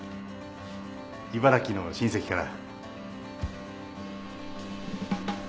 茨城の親戚から。